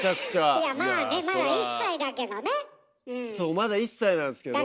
まだ１歳なんすけど。